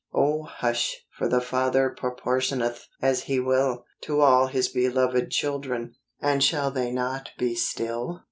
oh, hush ! for the Father portioneth as He will, To all His beloved children, and shall they not be still?